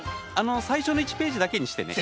最初の１ページだけにしてね。